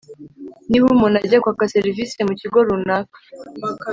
niba umuntu ajya kwaka serivisi mu kigo runaka